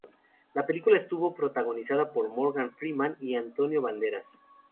La película estuvo protagonizada por Morgan Freeman y Antonio Banderas.